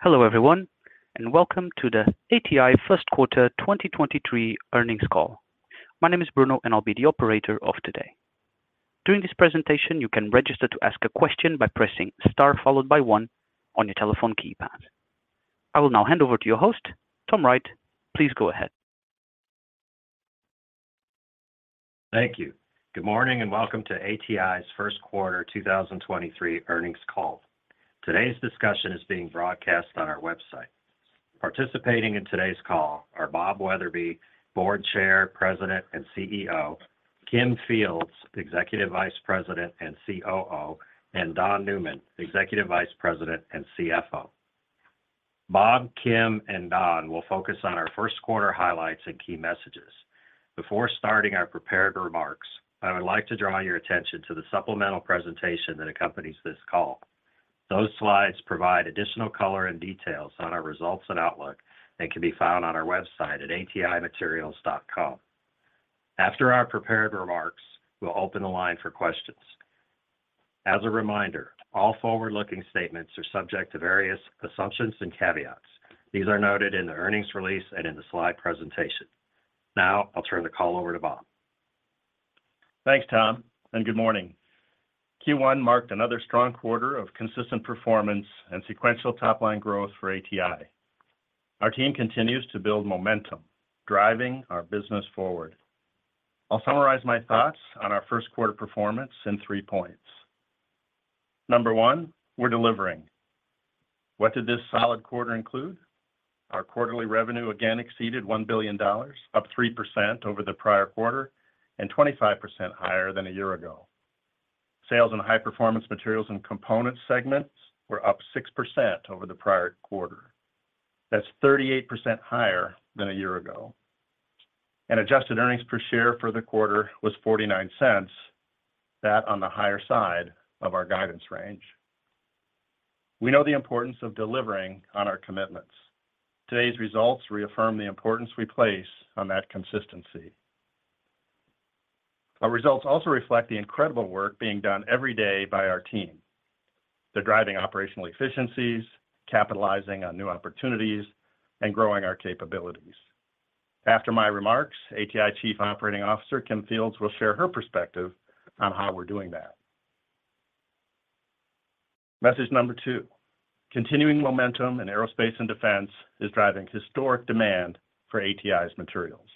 Hello everyone, welcome to the ATI First Quarter 2023 Earnings Call. My name is Bruno, and I'll be the operator of today. During this presentation, you can register to ask a question by pressing star followed by one on your telephone keypad. I will now hand over to your host, Tom Wright. Please go ahead. Thank you. Good morning and welcome to ATI's First Quarter 2023 earnings call. Today's discussion is being broadcast on our website. Participating in today's call are Bob Wetherbee, Board Chair, President, and CEO; Kim Fields, Executive Vice President and COO; and Don Newman, Executive Vice President and CFO. Bob, Kim, and Don will focus on our first quarter highlights and key messages. Before starting our prepared remarks, I would like to draw your attention to the supplemental presentation that accompanies this call. Those slides provide additional color and details on our results and outlook and can be found on our website at atimaterials.com. After our prepared remarks, we'll open the line for questions. As a reminder, all forward-looking statements are subject to various assumptions and caveats. These are noted in the earnings release and in the slide presentation. Now, I'll turn the call over to Bob. Thanks, Tom. Good morning. Q1 marked another strong quarter of consistent performance and sequential top-line growth for ATI. Our team continues to build momentum, driving our business forward. I'll summarize my thoughts on our first quarter performance in three points. Number one, we're delivering. What did this solid quarter include? Our quarterly revenue again exceeded $1 billion, up 3% over the prior quarter and 25% higher than a year ago. Sales in High-Performance Materials & Components segments were up 6% over the prior quarter. That's 38% higher than a year ago. Adjusted earnings per share for the quarter was $0.49. That on the higher side of our guidance range. We know the importance of delivering on our commitments. Today's results reaffirm the importance we place on that consistency. Our results also reflect the incredible work being done every day by our team. They're driving operational efficiencies, capitalizing on new opportunities, and growing our capabilities. After my remarks, ATI Chief Operating Officer, Kim Fields, will share her perspective on how we're doing that. Message number 2, continuing momentum in aerospace and defense is driving historic demand for ATI's materials.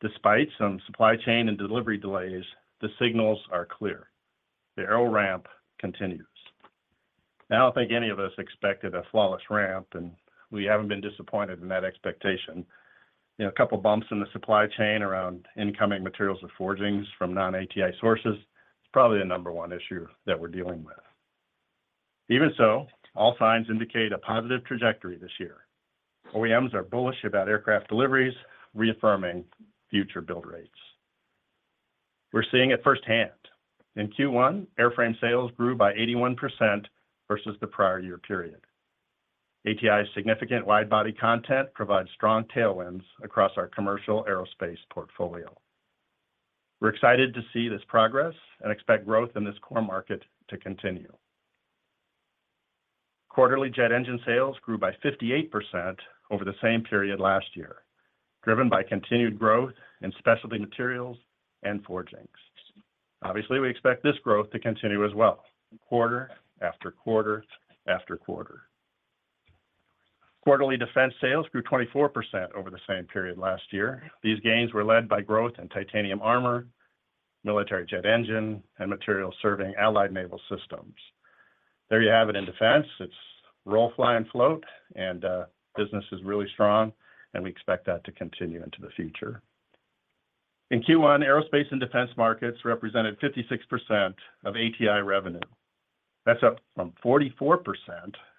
Despite some supply chain and delivery delays, the signals are clear. The aero ramp continues. I don't think any of us expected a flawless ramp, and we haven't been disappointed in that expectation. You know, a couple bumps in the supply chain around incoming materials and forgings from non-ATI sources is probably the number 1 issue that we're dealing with. Even so, all signs indicate a positive trajectory this year. OEMs are bullish about aircraft deliveries, reaffirming future build rates. We're seeing it firsthand. In Q1, airframe sales grew by 81% versus the prior year period. ATI's significant wide-body content provides strong tailwinds across our commercial aerospace portfolio. We're excited to see this progress and expect growth in this core market to continue. Quarterly jet engine sales grew by 58% over the same period last year, driven by continued growth in specialty materials and forgings. Obviously, we expect this growth to continue as well, quarter after quarter after quarter. Quarterly defense sales grew 24% over the same period last year. These gains were led by growth in titanium armor, military jet engine, and materials serving allied naval systems. There you have it in defense. It's roll, fly and float, and business is really strong, and we expect that to continue into the future. In Q1, aerospace and defense markets represented 56% of ATI revenue. That's up from 44%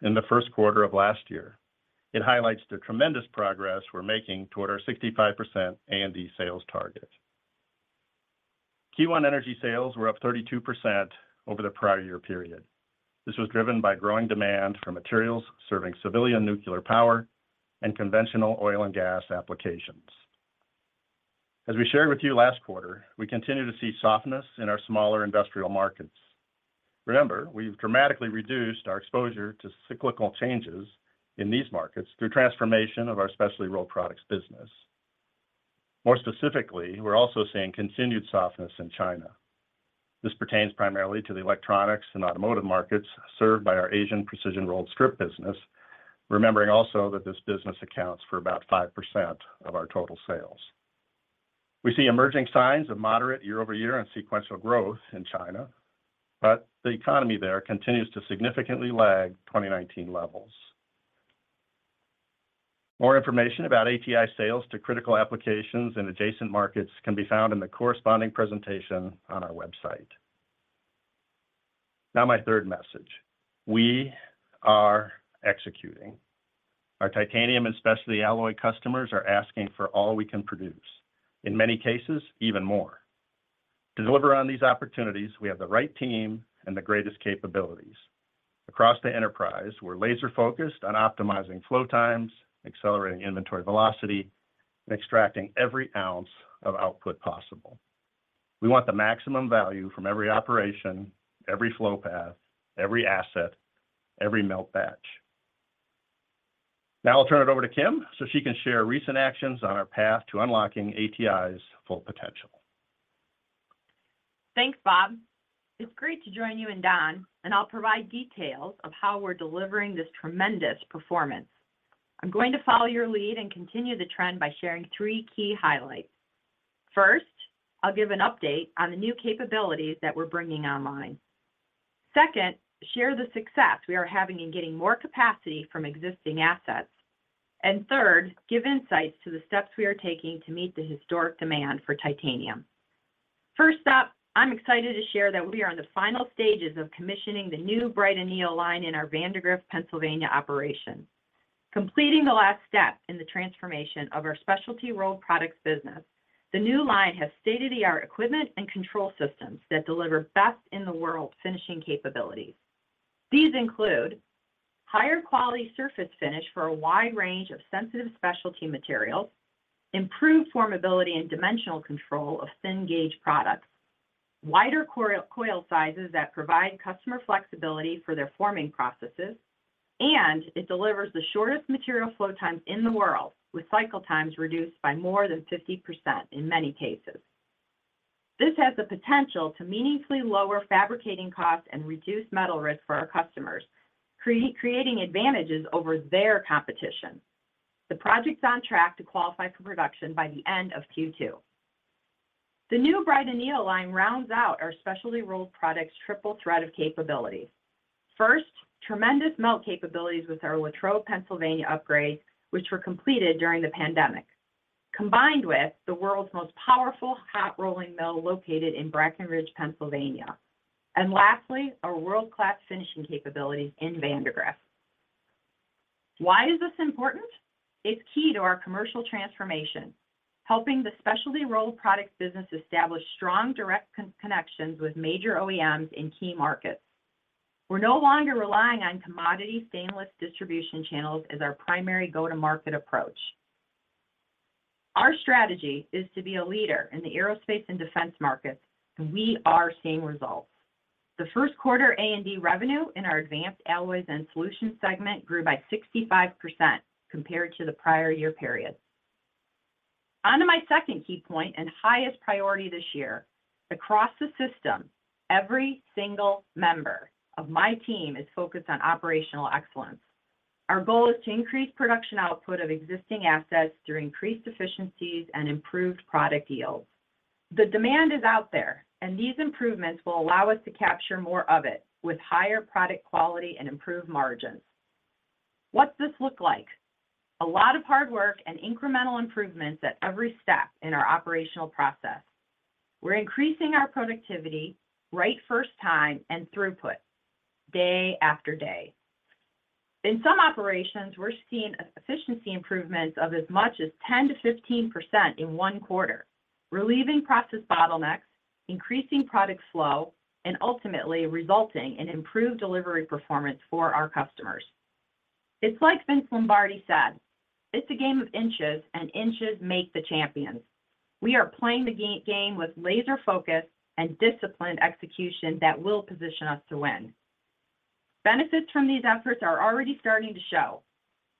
in the first quarter of last year. It highlights the tremendous progress we're making toward our 65% A&D sales target. Q1 energy sales were up 32% over the prior year period. This was driven by growing demand for materials serving civilian nuclear power and conventional oil and gas applications. As we shared with you last quarter, we continue to see softness in our smaller industrial markets. Remember, we've dramatically reduced our exposure to cyclical changes in these markets through transformation of our Specialty Rolled Products business. More specifically, we're also seeing continued softness in China. This pertains primarily to the electronics and automotive markets served by our Asian precision rolled strip business, remembering also that this business accounts for about 5% of our total sales. We see emerging signs of moderate year-over-year and sequential growth in China, but the economy there continues to significantly lag 2019 levels. More information about ATI sales to critical applications and adjacent markets can be found in the corresponding presentation on our website. Now, my third message. We are executing. Our titanium and specialty alloy customers are asking for all we can produce, in many cases, even more. To deliver on these opportunities, we have the right team and the greatest capabilities. Across the enterprise, we're laser-focused on optimizing flow times, accelerating inventory velocity, and extracting every ounce of output possible. We want the maximum value from every operation, every flow path, every asset, every melt batch. Now I'll turn it over to Kim, so she can share recent actions on our path to unlocking ATI's full potential. Thanks, Bob. It's great to join you and Don, I'll provide details of how we're delivering this tremendous performance. I'm going to follow your lead and continue the trend by sharing three key highlights. First, I'll give an update on the new capabilities that we're bringing online. Second, share the success we are having in getting more capacity from existing assets. Third, give insights to the steps we are taking to meet the historic demand for titanium. First up, I'm excited to share that we are on the final stages of commissioning the new bright anneal line in our Vandergrift, Pennsylvania operation. Completing the last step in the transformation of our Specialty Rolled Products business, the new line has state-of-the-art equipment and control systems that deliver best-in-the-world finishing capabilities. These include higher quality surface finish for a wide range of sensitive specialty materials, improved formability and dimensional control of thin gauge products, wider coil sizes that provide customer flexibility for their forming processes, and it delivers the shortest material flow times in the world with cycle times reduced by more than 50% in many cases. This has the potential to meaningfully lower fabricating costs and reduce metal risk for our customers, creating advantages over their competition. The project's on track to qualify for production by the end of Q2. The new bright anneal line rounds out our specialty rolled products triple threat of capabilities. First, tremendous melt capabilities with our Latrobe, Pennsylvania upgrades, which were completed during the pandemic, combined with the world's most powerful hot rolling mill located in Brackenridge, Pennsylvania. Lastly, our world-class finishing capabilities in Vandergrift. Why is this important? It's key to our commercial transformation, helping the Specialty Rolled Products business establish strong direct connections with major OEMs in key markets. We're no longer relying on commodity stainless distribution channels as our primary go-to-market approach. Our strategy is to be a leader in the aerospace and defense markets, and we are seeing results. The first quarter A&D revenue in our Advanced Alloys & Solutions segment grew by 65% compared to the prior year period. On to my second key point and highest priority this year. Across the system, every single member of my team is focused on operational excellence. Our goal is to increase production output of existing assets through increased efficiencies and improved product yields. The demand is out there, and these improvements will allow us to capture more of it with higher product quality and improved margins. What's this look like? A lot of hard work and incremental improvements at every step in our operational process. We're increasing our productivity right first time and throughput day after day. In some operations, we're seeing efficiency improvements of as much as 10%-15% in 1 quarter, relieving process bottlenecks, increasing product flow, and ultimately resulting in improved delivery performance for our customers. It's like Vince Lombardi said, "It's a game of inches, and inches make the champions." We are playing the game with laser focus and disciplined execution that will position us to win. Benefits from these efforts are already starting to show.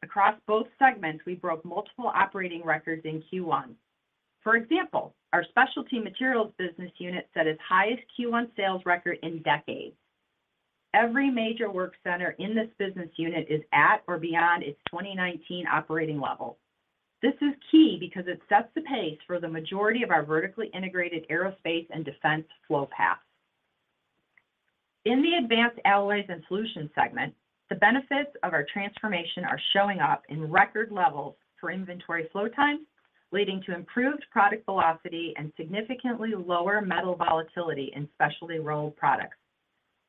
Across both segments, we broke multiple operating records in Q1. For example, our specialty materials business unit set its highest Q1 sales record in decades. Every major work center in this business unit is at or beyond its 2019 operating level. This is key because it sets the pace for the majority of our vertically integrated aerospace and defense flow paths. In the Advanced Alloys & Solutions segment, the benefits of our transformation are showing up in record levels for inventory flow times, leading to improved product velocity and significantly lower metal volatility in Specialty Rolled Products.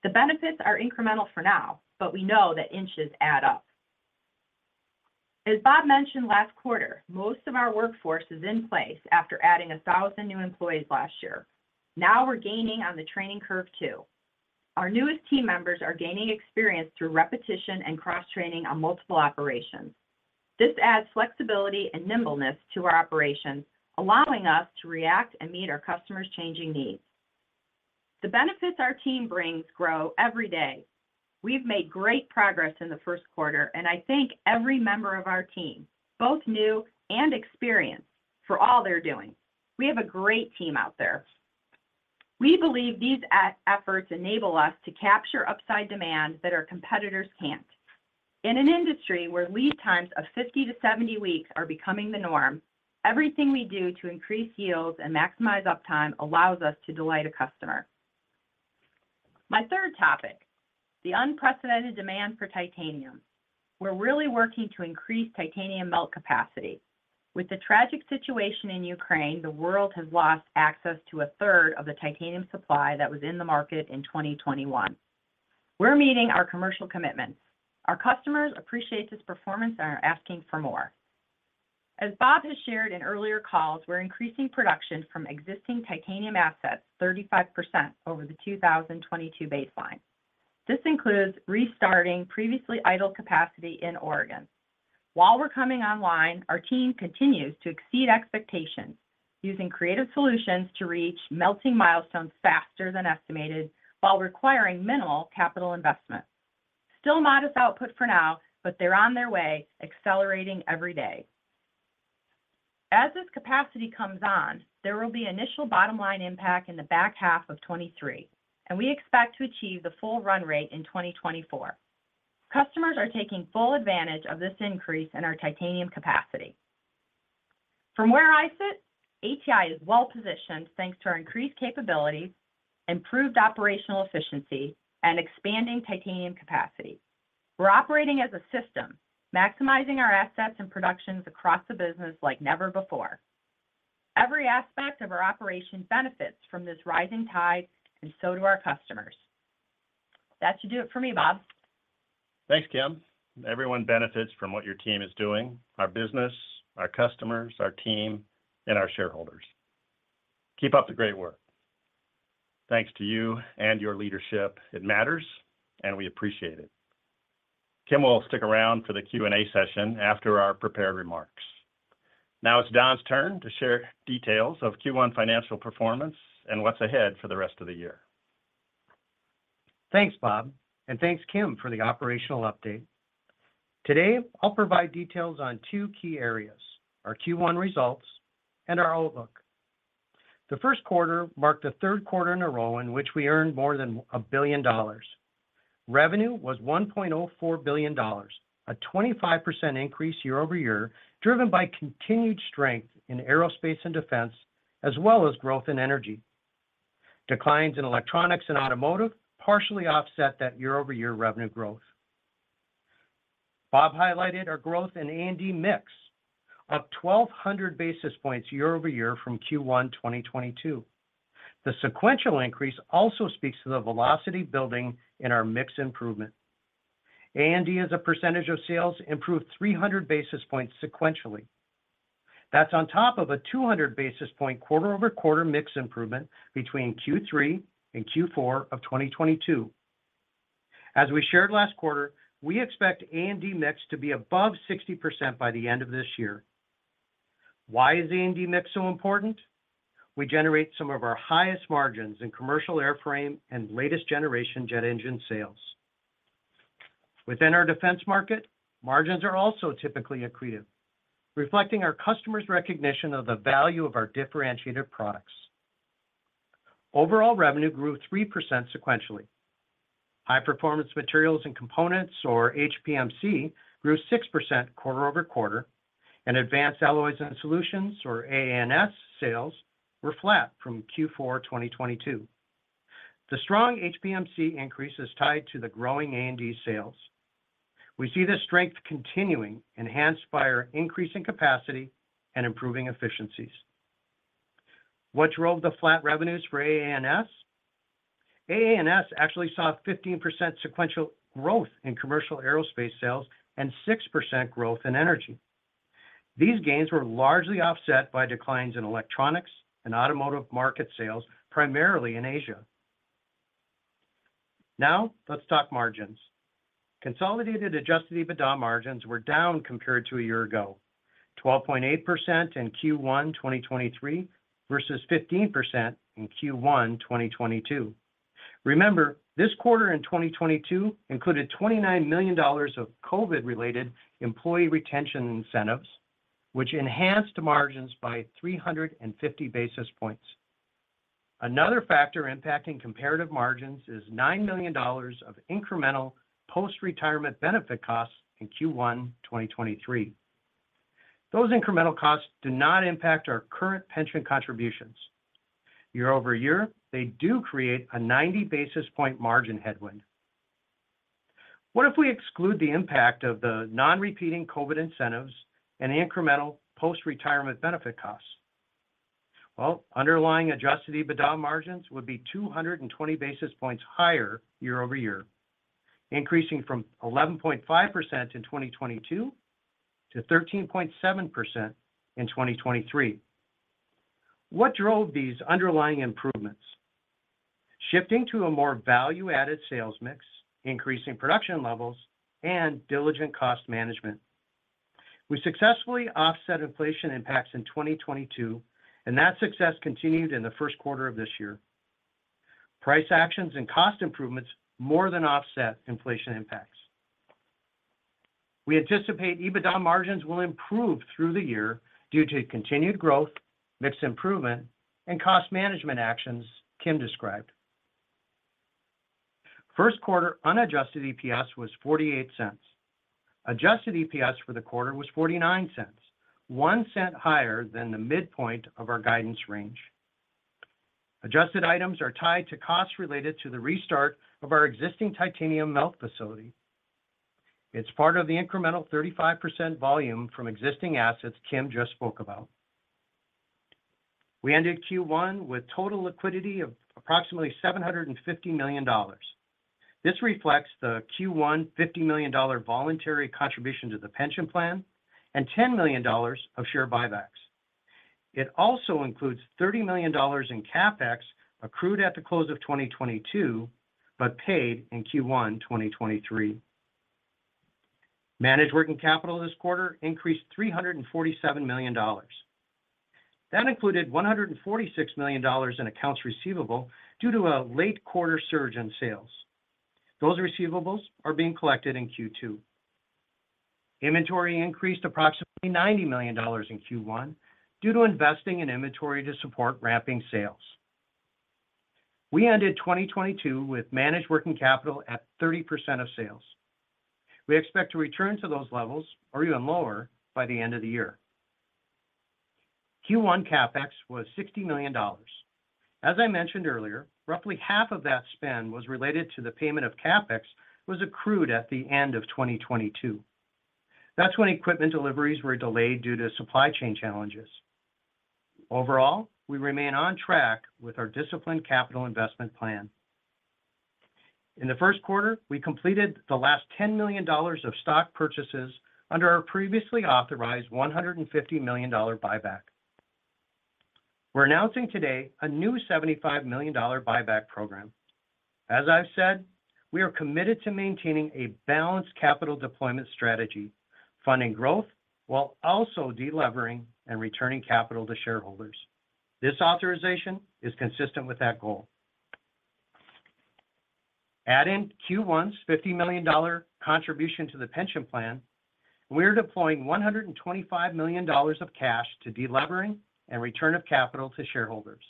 The benefits are incremental for now, but we know that inches add up. As Bob mentioned last quarter, most of our workforce is in place after adding 1,000 new employees last year. Now we're gaining on the training curve too. Our newest team members are gaining experience through repetition and cross-training on multiple operations. This adds flexibility and nimbleness to our operations, allowing us to react and meet our customers' changing needs. The benefits our team brings grow every day. We've made great progress in the first quarter. I thank every member of our team, both new and experienced, for all they're doing. We have a great team out there. We believe these ATI efforts enable us to capture upside demand that our competitors can't. In an industry where lead times of 50-70 weeks are becoming the norm, everything we do to increase yields and maximize uptime allows us to delight a customer. My third topic, the unprecedented demand for titanium. We're really working to increase titanium melt capacity. With the tragic situation in Ukraine, the world has lost access to a third of the titanium supply that was in the market in 2021. We're meeting our commercial commitments. Our customers appreciate this performance and are asking for more. As Bob has shared in earlier calls, we're increasing production from existing titanium assets 35% over the 2022 baseline. This includes restarting previously idle capacity in Oregon. While we're coming online, our team continues to exceed expectations using creative solutions to reach melting milestones faster than estimated while requiring minimal capital investment. Still modest output for now, but they're on their way, accelerating every day. As this capacity comes on, there will be initial bottom line impact in the back half of 2023, and we expect to achieve the full run rate in 2024. Customers are taking full advantage of this increase in our titanium capacity. From where I sit, ATI is well-positioned, thanks to our increased capability, improved operational efficiency, and expanding titanium capacity. We're operating as a system, maximizing our assets and productions across the business like never before. Every aspect of our operation benefits from this rising tide, and so do our customers. That should do it for me, Bob. Thanks, Kim. Everyone benefits from what your team is doing, our business, our customers, our team, and our shareholders. Keep up the great work. Thanks to you and your leadership. It matters, and we appreciate it. Kim will stick around for the Q&A session after our prepared remarks. It's Don's turn to share details of Q1 financial performance and what's ahead for the rest of the year. Thanks, Bob. Thanks, Kim, for the operational update. Today, I'll provide details on two key areas, our Q1 results and our outlook. The first quarter marked the third quarter in a row in which we earned more than $1 billion. Revenue was $1.04 billion, a 25% increase year-over-year, driven by continued strength in aerospace and defense, as well as growth in energy. Declines in electronics and automotive partially offset that year-over-year revenue growth. Bob highlighted our growth in A&D mix up 1,200 basis points year-over-year from Q1 2022. The sequential increase also speaks to the velocity building in our mix improvement. A&D, as a percentage of sales, improved 300 basis points sequentially. That's on top of a 200 basis point quarter-over-quarter mix improvement between Q3 and Q4 of 2022. As we shared last quarter, we expect A&D mix to be above 60% by the end of this year. Why is the A&D mix so important? We generate some of our highest margins in commercial airframe and latest generation jet engine sales. Within our defense market, margins are also typically accretive, reflecting our customers' recognition of the value of our differentiated products. Overall revenue grew 3% sequentially. High-Performance Materials & Components, or HPMC, grew 6% quarter-over-quarter, and Advanced Alloys & Solutions, or AA&S, sales were flat from Q4, 2022. The strong HPMC increase is tied to the growing A&D sales. We see this strength continuing, enhanced by our increasing capacity and improving efficiencies. What drove the flat revenues for AA&S? AA&S actually saw 15% sequential growth in commercial aerospace sales and 6% growth in energy. These gains were largely offset by declines in electronics and automotive market sales, primarily in Asia. Let's talk margins. Consolidated adjusted EBITDA margins were down compared to a year ago, 12.8 in Q1 2023 versus 15% in Q1 2022. Remember, this quarter in 2022 included $29 million of COVID-related employee retention incentives, which enhanced margins by 350 basis points. Another factor impacting comparative margins is $9 million of incremental post-retirement benefit costs in Q1 2023. Those incremental costs do not impact our current pension contributions. Year-over-year, they do create a 90 basis point margin headwind. What if we exclude the impact of the non-repeating COVID incentives and incremental post-retirement benefit costs? Well, underlying adjusted EBITDA margins would be 220 basis points higher year-over-year, increasing from 11.5% in 2022 to 13.7% in 2023. What drove these underlying improvements? Shifting to a more value-added sales mix, increasing production levels, and diligent cost management. We successfully offset inflation impacts in 2022, and that success continued in the First quarter of this year. Price actions and cost improvements more than offset inflation impacts. We anticipate EBITDA margins will improve through the year due to continued growth, mix improvement, and cost management actions Kim described. First quarter unadjusted EPS was $0.48. Adjusted EPS for the quarter was $0.49, $0.01 higher than the midpoint of our guidance range. Adjusted items are tied to costs related to the restart of our existing titanium melt facility. It's part of the incremental 35% volume from existing assets Kim just spoke about. We ended Q1 with total liquidity of approximately $750 million. This reflects the Q1 $50 million voluntary contribution to the pension plan and $10 million of share buybacks. It also includes $30 million in CapEx accrued at the close of 2022, but paid in Q1 2023. Managed working capital this quarter increased $347 million. That included $146 million in accounts receivable due to a late quarter surge in sales. Those receivables are being collected in Q2. Inventory increased approximately $90 million in Q1 due to investing in inventory to support ramping sales. We ended 2022 with managed working capital at 30% of sales. We expect to return to those levels or even lower by the end of the year. Q1 CapEx was $60 million. As I mentioned earlier, roughly half of that spend was related to the payment of CapEx was accrued at the end of 2022. That's when equipment deliveries were delayed due to supply chain challenges. Overall, we remain on track with our disciplined capital investment plan. In the first quarter, we completed the last $10 million of stock purchases under our previously authorized $150 million buyback. We're announcing today a new $75 million buyback program. As I've said, we are committed to maintaining a balanced capital deployment strategy, funding growth while also de-levering and returning capital to shareholders. This authorization is consistent with that goal. Add in Q1's $50 million contribution to the pension plan, we're deploying $125 million of cash to de-levering and return of capital to shareholders.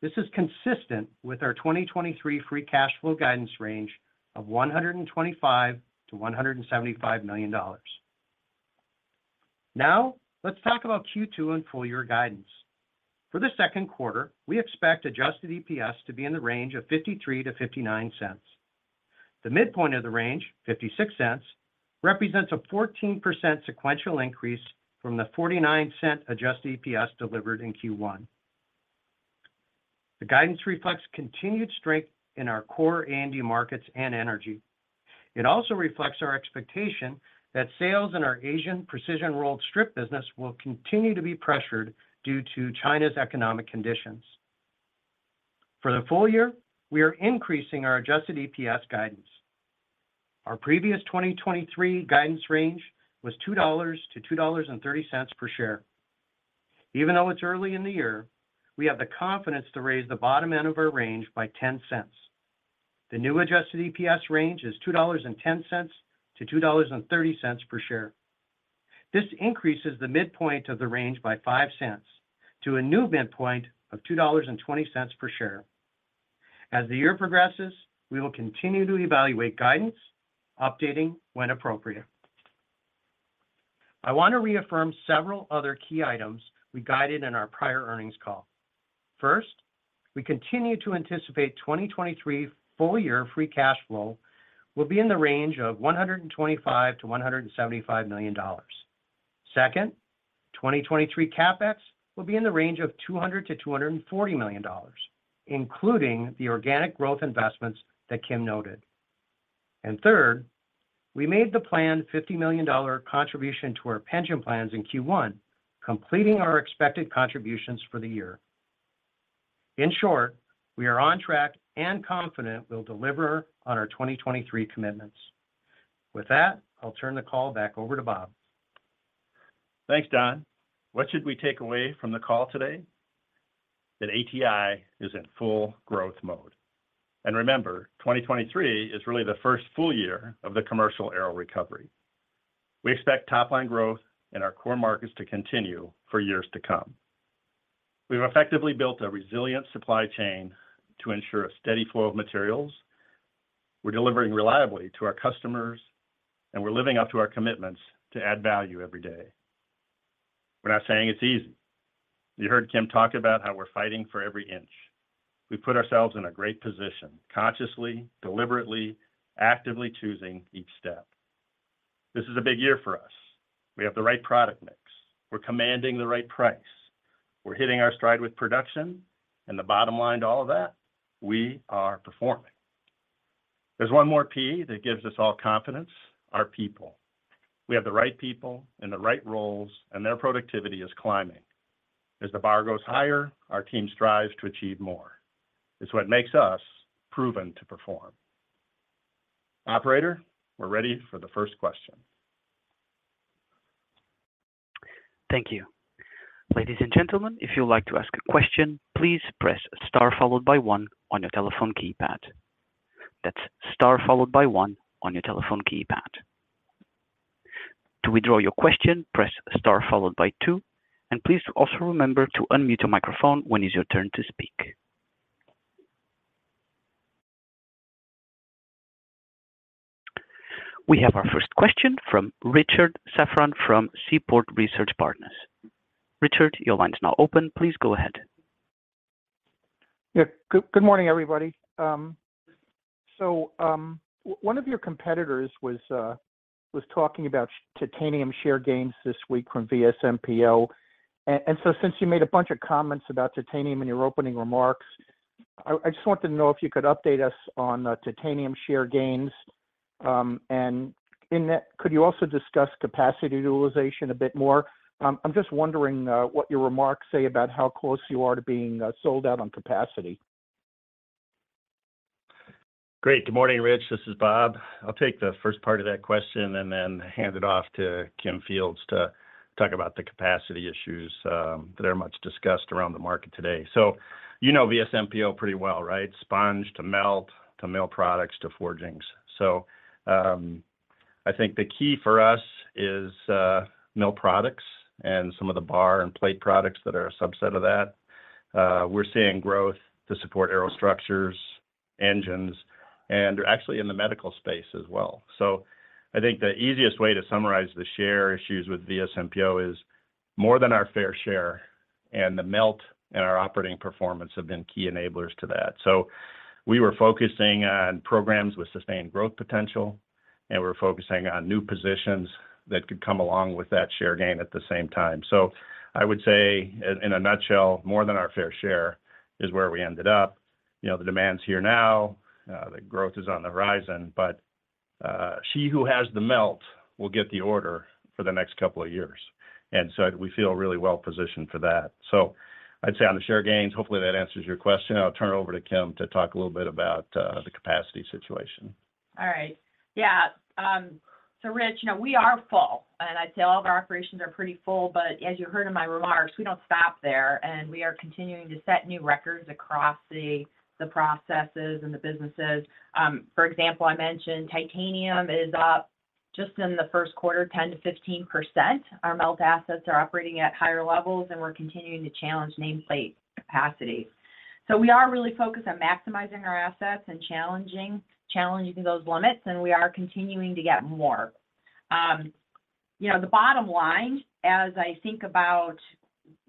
This is consistent with our 2023 free cash flow guidance range of $125 million-$175 million. Let's talk about Q2 and full year guidance. For the second quarter, we expect adjusted EPS to be in the range of $0.53-$0.59. The midpoint of the range, $0.56, represents a 14% sequential increase from the $0.49 adjusted EPS delivered in Q1. The guidance reflects continued strength in our core A&D markets and energy. It also reflects our expectation that sales in our Asian precision rolled strip business will continue to be pressured due to China's economic conditions. For the full year, we are increasing our adjusted EPS guidance. Our previous 2023 guidance range was $2.00-$2.30 per share. Even though it's early in the year, we have the confidence to raise the bottom end of our range by $0.10. The new adjusted EPS range is $2.10-$2.30 per share. This increases the midpoint of the range by $0.05 to a new midpoint of $2.20 per share. As the year progresses, we will continue to evaluate guidance, updating when appropriate. I want to reaffirm several other key items we guided in our prior earnings call. First, we continue to anticipate 2023 full year free cash flow will be in the range of $125 million-$175 million. Second, 2023 CapEx will be in the range of $200 million-$240 million, including the organic growth investments that Kim noted. Third, we made the planned $50 million contribution to our pension plans in Q1, completing our expected contributions for the year. In short, we are on track and confident we'll deliver on our 2023 commitments. With that, I'll turn the call back over to Bob. Thanks, Don. What should we take away from the call today? That ATI is in full growth mode. Remember, 2023 is really the first full year of the commercial aero recovery. We expect top-line growth in our core markets to continue for years to come. We've effectively built a resilient supply chain to ensure a steady flow of materials. We're delivering reliably to our customers, and we're living up to our commitments to add value every day. We're not saying it's easy. You heard Kim talk about how we're fighting for every inch. We put ourselves in a great position, consciously, deliberately, actively choosing each step. This is a big year for us. We have the right product mix. We're commanding the right price. We're hitting our stride with production. The bottom line to all of that, we are performing. There's one more P that gives us all confidence: our people. We have the right people in the right roles, and their productivity is climbing. As the bar goes higher, our team strives to achieve more. It's what makes us proven to perform. Operator, we're ready for the first question. Thank you. Ladies and gentlemen, if you'd like to ask a question, please press star followed by one on your telephone keypad. That's star followed by one on your telephone keypad. To withdraw your question, press star followed by two, and please also remember to unmute your microphone when it's your turn to speak. We have our first question from Richard Safran from Seaport Research Partners. Richard, your line is now open. Please go ahead. Yeah. Good morning, everybody. One of your competitors was talking about titanium share gains this week from VSMPO. Since you made a bunch of comments about titanium in your opening remarks I just wanted to know if you could update us on titanium share gains. In that, could you also discuss capacity utilization a bit more? I'm just wondering what your remarks say about how close you are to being sold out on capacity. Great. Good morning, Rich. This is Bob. I'll take the first part of that question and then hand it off to Kim Fields to talk about the capacity issues, that are much discussed around the market today. You know VSMPO pretty well, right? Sponge to melt, to mill products to forgings. I think the key for us is mill products and some of the bar and plate products that are a subset of that. We're seeing growth to support aerostructures, engines, and actually in the medical space as well. I think the easiest way to summarize the share issues with VSMPO is more than our fair share, and the melt and our operating performance have been key enablers to that. We were focusing on programs with sustained growth potential, and we're focusing on new positions that could come along with that share gain at the same time. I would say in a nutshell, more than our fair share is where we ended up. You know, the demand's here now. The growth is on the horizon, but she who has the melt will get the order for the next couple of years. We feel really well positioned for that. I'd say on the share gains, hopefully that answers your question. I'll turn it over to Kim to talk a little bit about the capacity situation. All right. Yeah. Rich, you know, we are full, and I'd say all of our operations are pretty full, but as you heard in my remarks, we don't stop there, and we are continuing to set new records across the processes and the businesses. For example, I mentioned titanium is up just in the first quarter, 10%-15%. Our melt assets are operating at higher levels, and we're continuing to challenge nameplate capacity. We are really focused on maximizing our assets and challenging those limits, and we are continuing to get more. You know, the bottom line, as I think about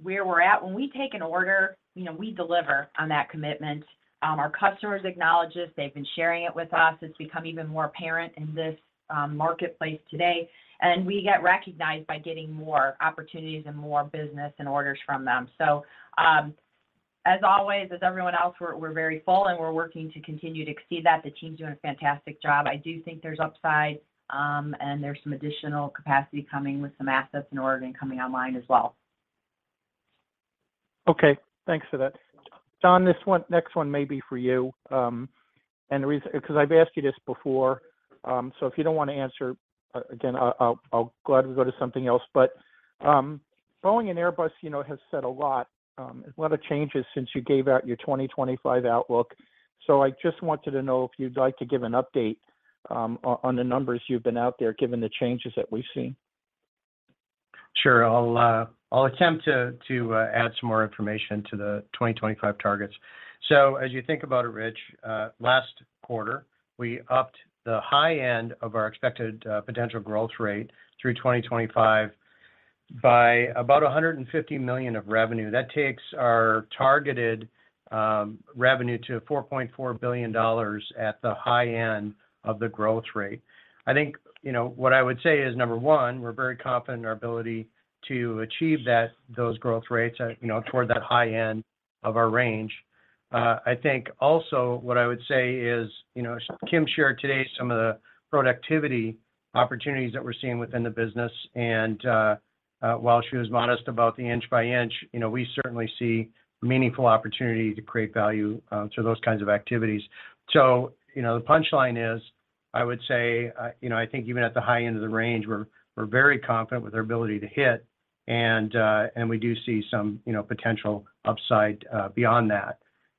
where we're at, when we take an order, you know, we deliver on that commitment. Our customers acknowledge this. They've been sharing it with us. It's become even more apparent in this marketplace today, and we get recognized by getting more opportunities and more business and orders from them. As always, as everyone else, we're very full, and we're working to continue to exceed that. The team's doing a fantastic job. I do think there's upside, and there's some additional capacity coming with some assets in Oregon coming online as well. Okay. Thanks for that. Don, next one may be for you. Because I've asked you this before, if you don't want to answer again, I'll go ahead and go to something else. Boeing and Airbus, you know, have said a lot, a lot of changes since you gave out your 2025 outlook. I just wanted to know if you'd like to give an update on the numbers you've been out there, given the changes that we've seen. Sure. I'll attempt to add some more information to the 2025 targets. As you think about it, Rich, last quarter, we upped the high end of our expected potential growth rate through 2025 by about $150 million of revenue. That takes our targeted revenue to $4.4 billion at the high end of the growth rate. I think, you know, what I would say is, number one, we're very confident in our ability to achieve that, those growth rates, you know, toward that high end of our range. I think also what I would say is, you know, Kim shared today some of the productivity opportunities that we're seeing within the business, and while she was modest about the inch by inch, you know, we certainly see meaningful opportunity to create value through those kinds of activities. You know, the punchline is, I would say, you know, I think even at the high end of the range, we're very confident with our ability to hit and we do see some, you know, potential upside beyond that.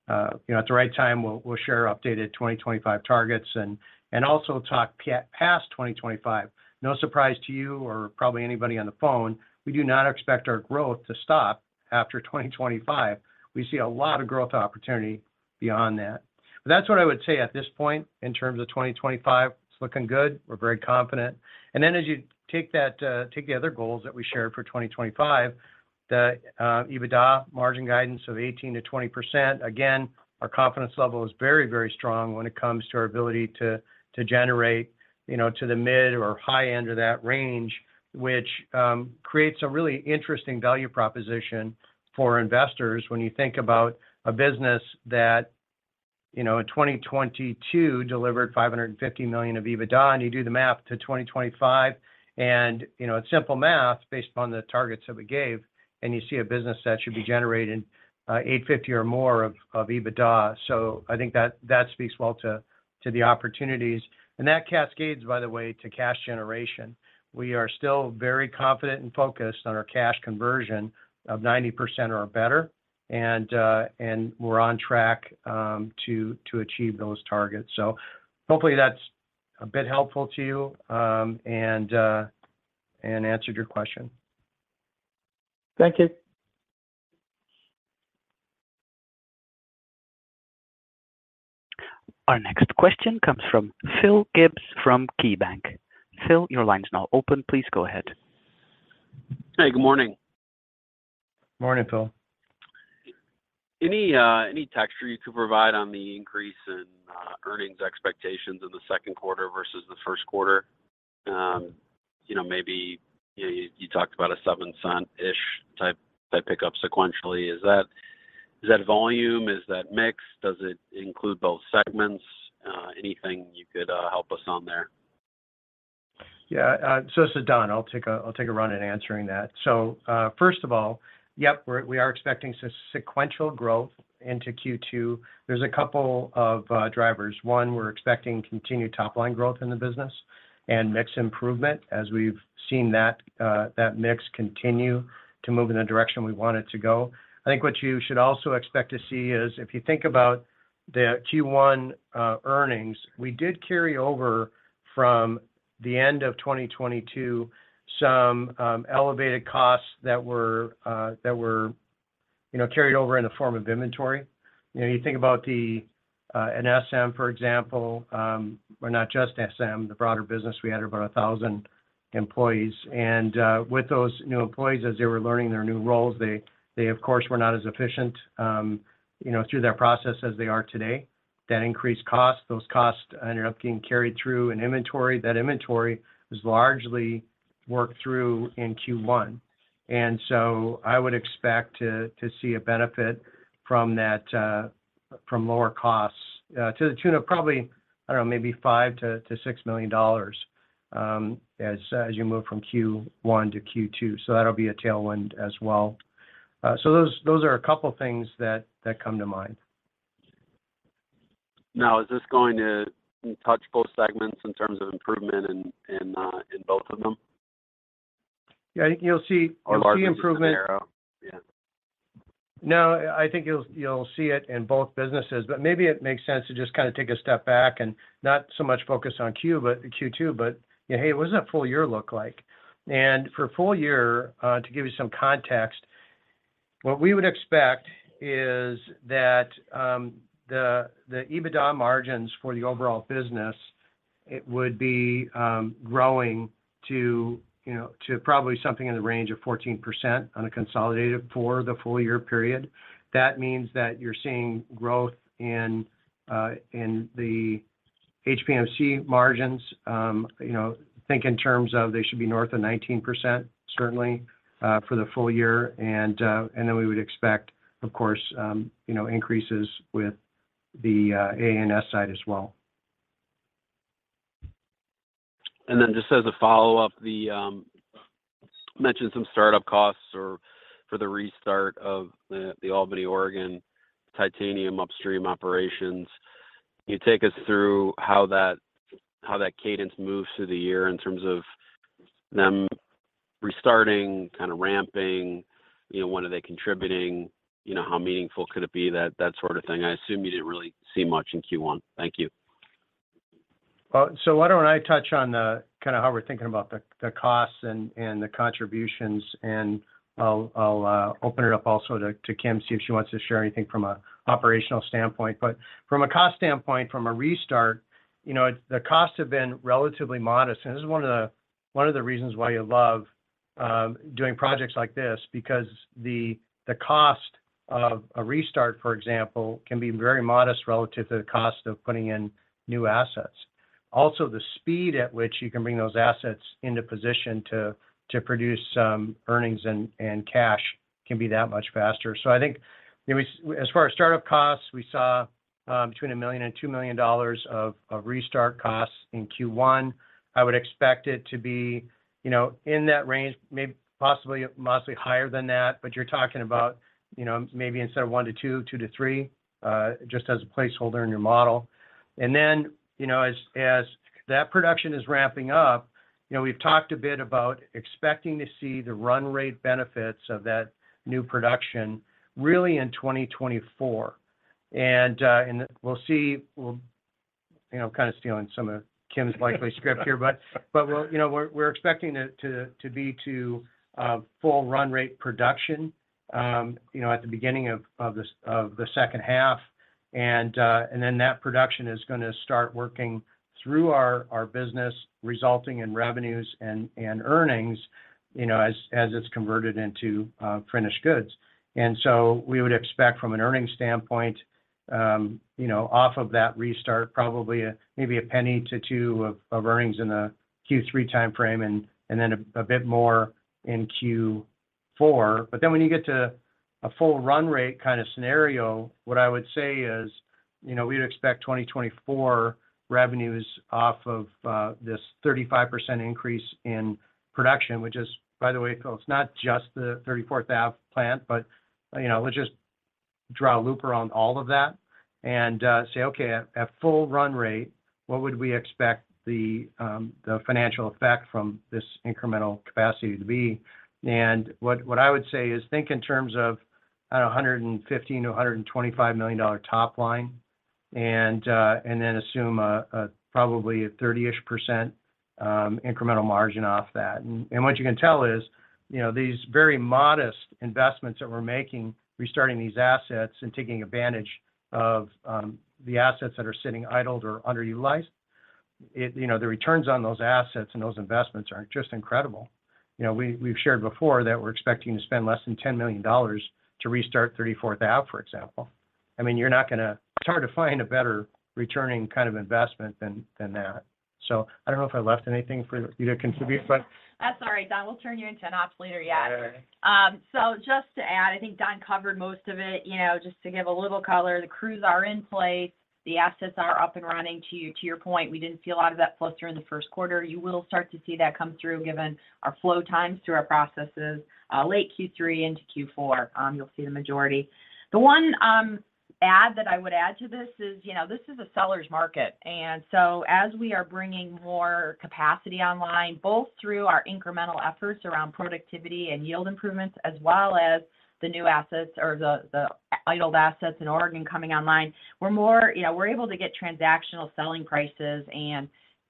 You know, at the right time, we'll share updated 2025 targets and also talk past 2025. No surprise to you or probably anybody on the phone, we do not expect our growth to stop after 2025. We see a lot of growth opportunity beyond that. That's what I would say at this point in terms of 2025. It's looking good. We're very confident. As you take that, take the other goals that we shared for 2025, the EBITDA margin guidance of 18%-20%, again, our confidence level is very, very strong when it comes to our ability to generate, you know, to the mid or high end of that range, which creates a really interesting value proposition for investors when you think about a business that, you know, in 2022 delivered $550 million of EBITDA. You do the math to 2025 and, you know, it's simple math based upon the targets that we gave. You see a business that should be generating $850 million or more of EBITDA. I think that speaks well to the opportunities. That cascades, by the way, to cash generation. We are still very confident and focused on our cash conversion of 90% or better, and we're on track to achieve those targets. Hopefully that's a bit helpful to you, and answered your question. Thank you. Our next question comes from Phil Gibbs from KeyBanc. Phil, your line's now open. Please go ahead. Hey, good morning. Morning, Phil. Any, any texture you could provide on the increase in earnings expectations in the second quarter versus the first quarter? you know, maybe you talked about a $0.07-ish type pickup sequentially. Is that volume? Is that mix? Does it include both segments? anything you could, help us on there? Yeah. This is Don. I'll take a run at answering that. First of all, yep, we are expecting some sequential growth into Q2. There's a couple of drivers. One, we're expecting continued top-line growth in the business and mix improvement as we've seen that mix continue to move in the direction we want it to go. I think what you should also expect to see is if you think about the Q1 earnings, we did carry over from the end of 2022 some elevated costs that were, you know, carried over in the form of inventory. You know, you think about the in SM, for example. Not just SM, the broader business, we had about 1,000 employees. With those new employees, as they were learning their new roles, they, of course, were not as efficient, you know, through their process as they are today. That increased costs. Those costs ended up getting carried through in inventory. That inventory was largely worked through in Q1. I would expect to see a benefit from that, from lower costs, to the tune of probably, I don't know, maybe $5 million-$6 million as you move from Q1 to Q2. That'll be a tailwind as well. Those are a couple things that come to mind. Is this going to touch both segments in terms of improvement in both of them? Yeah. I think you'll see improvement... largely just the narrow. Yeah. No, I think you'll see it in both businesses, but maybe it makes sense to just kind of take a step back and not so much focus on Q2, but, you know, hey, what does that full year look like? For full year, to give you some context, what we would expect is that the EBITDA margins for the overall business, it would be growing to, you know, to probably something in the range of 14% on a consolidated for the full year period. That means that you're seeing growth in the HPMC margins. You know, think in terms of they should be north of 19% certainly for the full year. Then we would expect, of course, you know, increases with the AA&S side as well. Just as a follow-up, the mentioned some startup costs or for the restart of the Albany, Oregon titanium upstream operations. Can you take us through how that cadence moves through the year in terms of them restarting, kind of ramping? You know, when are they contributing? You know, how meaningful could it be? That sort of thing. I assume you didn't really see much in Q1. Thank you. Well, why don't I touch on kind of how we're thinking about the costs and the contributions, and I'll open it up also to Kim, see if she wants to share anything from an operational standpoint. From a cost standpoint, from a restart, you know, the costs have been relatively modest. This is one of the reasons why you love doing projects like this, because the cost of a restart, for example, can be very modest relative to the cost of putting in new assets. Also, the speed at which you can bring those assets into position to produce earnings and cash can be that much faster. I think, you know, as far as startup costs, we saw, between $1 million and $2 million of restart costs in Q1. I would expect it to be, you know, in that range, may possibly, mostly higher than that, but you're talking about, you know, maybe instead of $1 million to $2 million, $2 million to $3 million, just as a placeholder in your model. Then, you know, as that production is ramping up, you know, we've talked a bit about expecting to see the run rate benefits of that new production really in 2024. We'll see, you know, kind of stealing some of Kim's likely script here, but we'll, you know, we're expecting it to be to full run rate production, you know, at the beginning of this, of the second half. That production is gonna start working through our business, resulting in revenues and earnings, you know, as it's converted into finished goods. We would expect from an earnings standpoint, you know, off of that restart, probably maybe $0.01-$0.02 of earnings in a Q3 timeframe and then a bit more in Q4. When you get to a full run rate kind of scenario, what I would say is, you know, we'd expect 2024 revenues off of this 35% increase in production, which is, by the way, folks, not just the 34th Avenue plant, but, you know, let's just draw a loop around all of that and say, okay, at full run rate, what would we expect the financial effect from this incremental capacity to be? What I would say is think in terms of at a $150 million-$125 million top line and then assume a probably a 30-ish% incremental margin off that. What you can tell is, you know, these very modest investments that we're making, restarting these assets and taking advantage of the assets that are sitting idled or underutilized, you know, the returns on those assets and those investments are just incredible. You know, we've shared before that we're expecting to spend less than $10 million to restart 34 THAP, for example. I mean, you're not It's hard to find a better returning kind of investment than that. I don't know if I left anything for you to contribute. That's all right, Don. We'll turn you into an ops leader yet. Okay. Just to add, I think Don covered most of it. You know, just to give a little color, the crews are in place, the assets are up and running. To your point, we didn't see a lot of that flow through in the first quarter. You will start to see that come through given our flow times through our processes, late Q3 into Q4, you'll see the majority. The one add that I would add to this is, you know, this is a seller's market, as we are bringing more capacity online, both through our incremental efforts around productivity and yield improvements, as well as the new assets or the idled assets in Oregon coming online. You know, we're able to get transactional selling prices.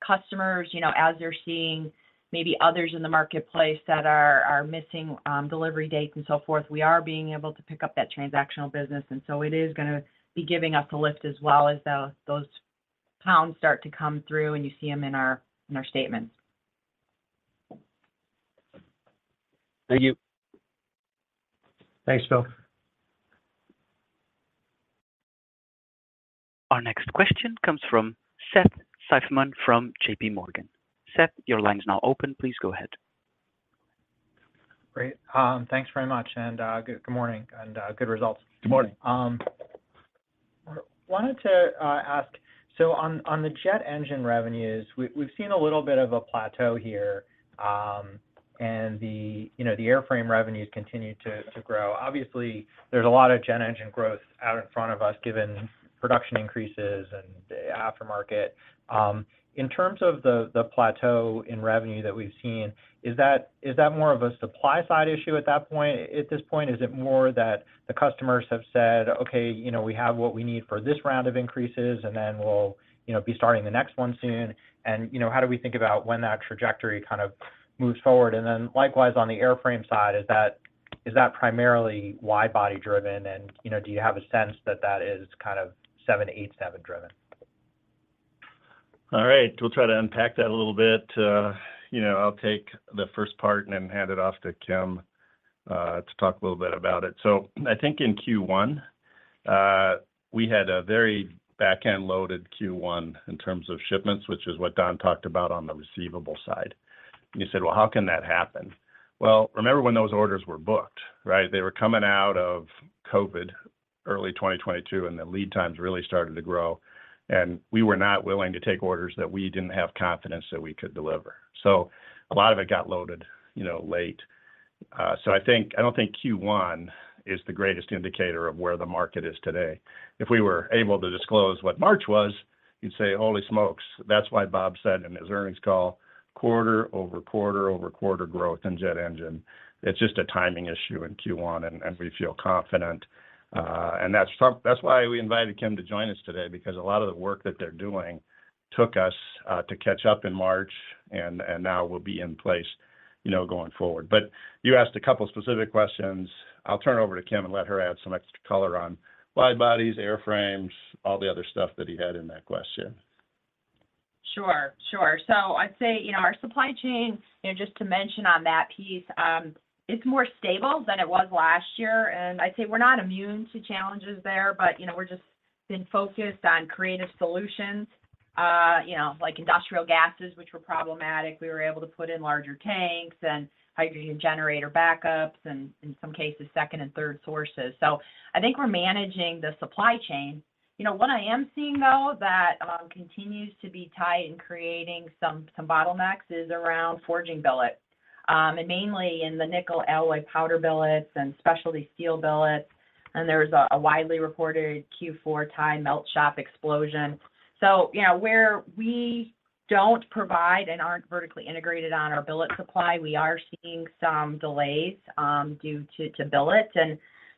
Customers, you know, as they're seeing maybe others in the marketplace that are missing, delivery dates and so forth, we are being able to pick up that transactional business. It is gonna be giving us a lift as well as those pounds start to come through, and you see them in our statements. Thank you. Thanks, Phil. Our next question comes from Seth Seifman from JPMorgan. Seth, your line's now open. Please go ahead. Great. Thanks very much, and, good morning, and, good results. Good morning. Wanted to ask, on the jet engine revenues, we've seen a little bit of a plateau here, and, you know, the airframe revenues continue to grow. Obviously, there's a lot of jet engine growth out in front of us given production increases and the aftermarket. In terms of the plateau in revenue that we've seen, is that more of a supply side issue at this point? Is it more that the customers have said, "Okay, you know, we have what we need for this round of increases, and then we'll, you know, be starting the next one soon." You know, how do we think about when that trajectory kind of moves forward? Likewise, on the airframe side, is that primarily wide body driven? you know, do you have a sense that that is kind of 787 driven? All right. We'll try to unpack that a little bit. you know, I'll take the first part and then hand it off to Kim to talk a little bit about it. I think in Q1, we had a very back-end loaded Q1 in terms of shipments, which is what Don talked about on the receivable side. You said, "Well, how can that happen?" Remember when those orders were booked, right? They were coming out of COVID early 2022, the lead times really started to grow. We were not willing to take orders that we didn't have confidence that we could deliver. A lot of it got loaded, you know, late. I don't think Q1 is the greatest indicator of where the market is today. If we were able to disclose what March was, you'd say, "Holy smokes." That's why Bob said in his earnings call, quarter-over-quarter-over-quarter growth in jet engine. It's just a timing issue in Q1, and we feel confident. That's why we invited Kim to join us today because a lot of the work that they're doing took us to catch up in March, and now will be in place, you know, going forward. You asked a couple specific questions. I'll turn it over to Kim and let her add some extra color on wide bodies, airframes, all the other stuff that he had in that question. Sure, sure. I'd say, you know, our supply chain, you know, just to mention on that piece, it's more stable than it was last year. I'd say we're not immune to challenges there, but, you know, we're just been focused on creative solutions. You know, like industrial gases, which were problematic, we were able to put in larger tanks and hydrogen generator backups and, in some cases, second and third sources. I think we're managing the supply chain. You know, what I am seeing, though, that continues to be tight in creating some bottlenecks is around forging billet. Mainly in the nickel alloy powder billets and specialty steel billets, and there's a widely reported Q4 Ti melt shop explosion. You know, where we don't provide and aren't vertically integrated on our billet supply, we are seeing some delays due to billets.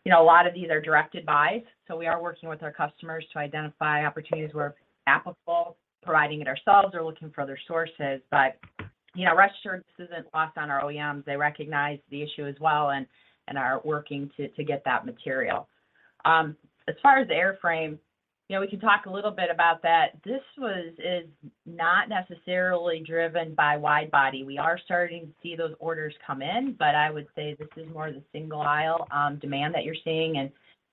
You know, a lot of these are direct buys, so we are working with our customers to identify opportunities where applicable, providing it ourselves or looking for other sources. You know, rest assured this isn't lost on our OEMs. They recognize the issue as well and are working to get that material. As far as the airframe, you know, we can talk a little bit about that. This is not necessarily driven by wide body. We are starting to see those orders come in, but I would say this is more the single aisle demand that you're seeing.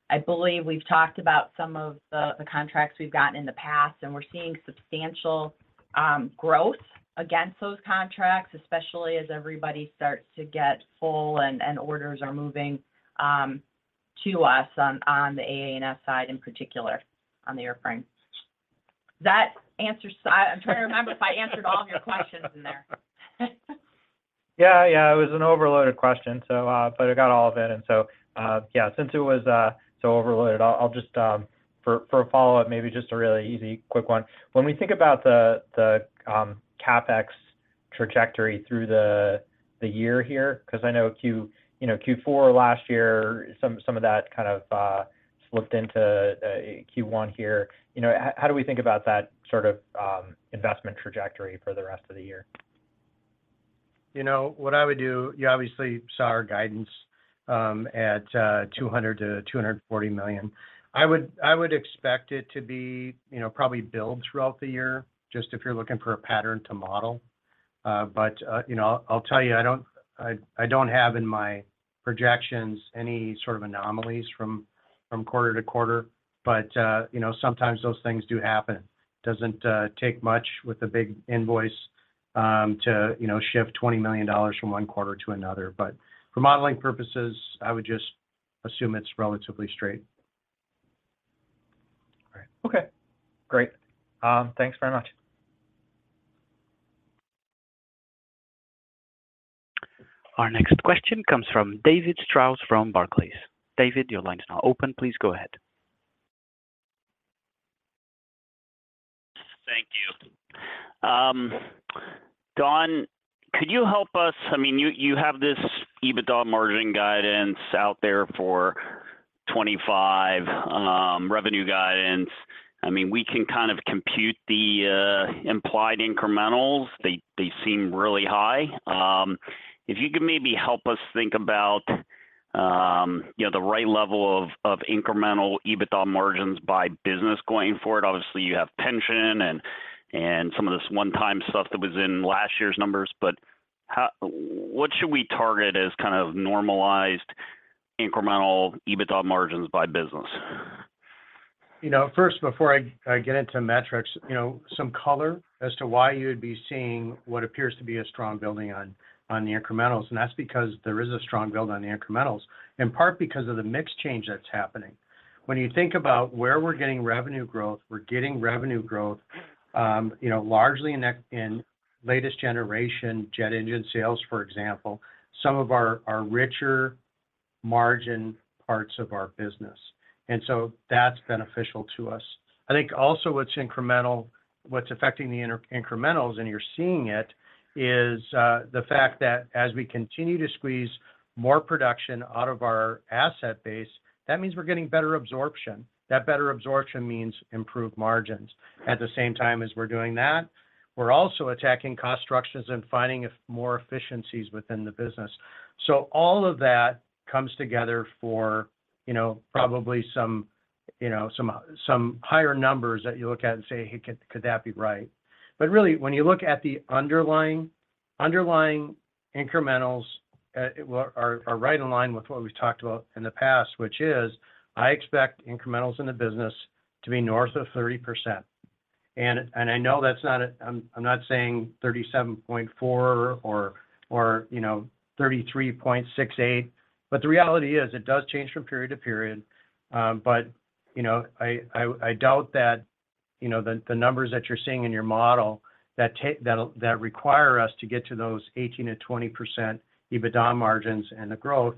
I believe we've talked about some of the contracts we've gotten in the past, and we're seeing substantial growth against those contracts, especially as everybody starts to get full and orders are moving to us on the A&D side in particular on the airframe. That answers. I'm trying to remember if I answered all of your questions in there. Yeah, yeah. It was an overloaded question, so, but I got all of it. Yeah, since it was so overloaded, I'll just, for a follow-up, maybe just a really easy quick one. When we think about the CapEx trajectory through the year here, 'cause I know Q, you know, Q4 last year, some of that kind of slipped into Q1 here. You know, how do we think about that sort of investment trajectory for the rest of the year? You know, what I would do, you obviously saw our guidance. At $200 million-$240 million. I would expect it to be, you know, probably build throughout the year, just if you're looking for a pattern to model. You know, I'll tell you I don't have in my projections any sort of anomalies from quarter to quarter, but, you know, sometimes those things do happen. Doesn't take much with a big invoice to, you know, shift $20 million from one quarter to another. For modeling purposes, I would just assume it's relatively straight. All right. Okay. Great. Thanks very much. Our next question comes from David Strauss from Barclays. David, your line is now open. Please go ahead. Thank you. Don, could you help us? I mean, you have this EBITDA margin guidance out there for 25, revenue guidance. I mean, we can kind of compute the implied incrementals. They seem really high. If you could maybe help us think about, you know, the right level of incremental EBITDA margins by business going forward. Obviously, you have pension and some of this one-time stuff that was in last year's numbers, but what should we target as kind of normalized incremental EBITDA margins by business? You know, first, before I get into metrics, you know, some color as to why you would be seeing what appears to be a strong building on the incrementals, that's because there is a strong build on the incrementals, in part because of the mix change that's happening. When you think about where we're getting revenue growth, we're getting revenue growth, you know, largely in latest generation jet engine sales, for example, some of our richer margin parts of our business. That's beneficial to us. I think also what's incremental, what's affecting the incrementals, You're seeing it, is the fact that as we continue to squeeze more production out of our asset base, that means we're getting better absorption. That better absorption means improved margins. At the same time as we're doing that, we're also attacking cost structures and finding more efficiencies within the business. All of that comes together for, you know, probably some, you know, some higher numbers that you look at and say, "Hey, could that be right?" Really, when you look at the underlying incrementals, are right in line with what we've talked about in the past, which is I expect incrementals in the business to be north of 30%. I know that's not I'm not saying 37.4 or, you know, 33.68, but the reality is it does change from period to period. you know, I, I doubt that, you know, the numbers that you're seeing in your model that require us to get to those 18%-20% EBITDA margins and the growth,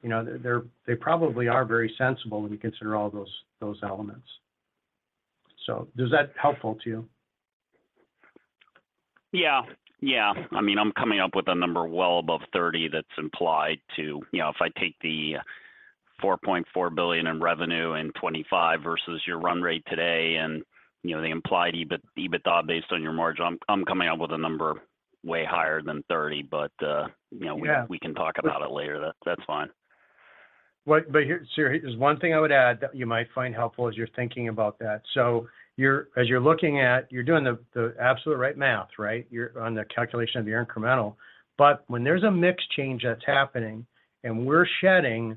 you know, they're, they probably are very sensible when you consider all those elements. Is that helpful to you? Yeah. Yeah. I mean, I'm coming up with a number well above 30 that's implied to, you know, if I take the $4.4 billion in revenue in 2025 versus your run rate today and, you know, the implied EBITDA based on your margin, I'm coming up with a number way higher than 30. you know. Yeah... we can talk about it later. That's fine. Here is one thing I would add that you might find helpful as you're thinking about that. As you're looking at, you're doing the absolute right math, right? You're on the calculation of your incremental. When there's a mix change that's happening and we're shedding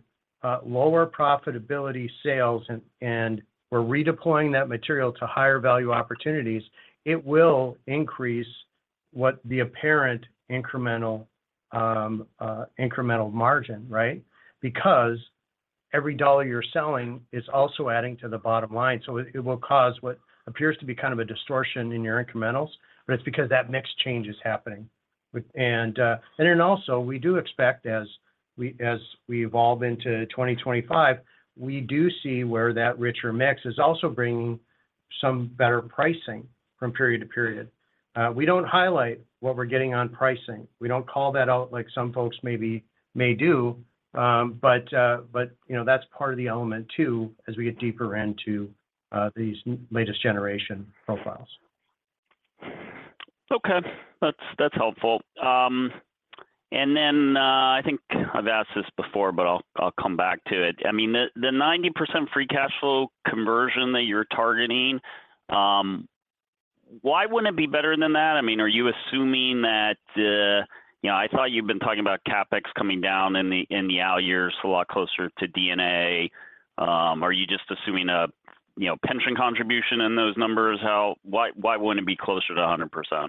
lower profitability sales and we're redeploying that material to higher value opportunities, it will increase what the apparent incremental incremental margin, right? Because every dollar you're selling is also adding to the bottom line. It will cause what appears to be kind of a distortion in your incrementals, but it's because that mix change is happening. Then also we do expect as we evolve into 2025, we do see where that richer mix is also bringing some better pricing from period to period. We don't highlight what we're getting on pricing. We don't call that out like some folks maybe may do. You know, that's part of the element too, as we get deeper into these latest generation profiles. Okay. That's, that's helpful. Then, I think I've asked this before, but I'll come back to it. I mean, the 90% free cash flow conversion that you're targeting, why wouldn't it be better than that? I mean, are you assuming that, you know, I thought you've been talking about CapEx coming down in the, in the out years a lot closer to D&A. Are you just assuming a, you know, pension contribution in those numbers? Why wouldn't it be closer to 100%?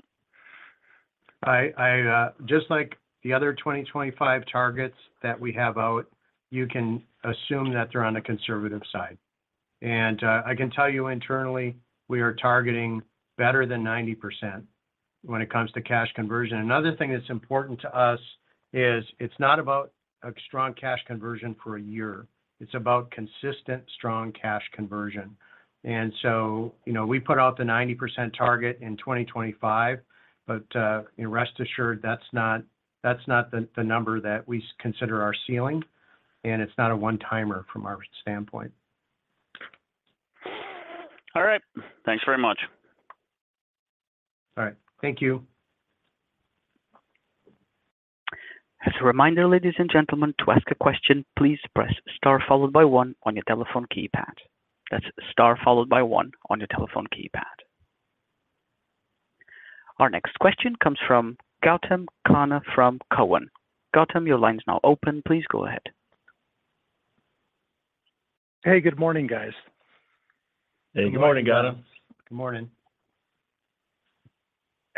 I just like the other 2025 targets that we have out, you can assume that they're on the conservative side. I can tell you internally, we are targeting better than 90% when it comes to cash conversion. Another thing that's important to us is it's not about a strong cash conversion for a year, it's about consistent strong cash conversion. You know, we put out the 90% target in 2025, you know, rest assured that's not, that's not the number that we consider our ceiling, and it's not a one-timer from our standpoint. All right. Thanks very much. All right. Thank you. As a reminder, ladies and gentlemen, to ask a question, please press star followed by one on your telephone keypad. That's star followed by one on your telephone keypad. Our next question comes from Gautam Khanna from Cowen. Gautam, your line is now open. Please go ahead. Hey, good morning, guys. Hey, good morning, Gautam. Good morning.